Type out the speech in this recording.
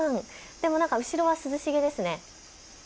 でも何か、後ろは涼しげですね。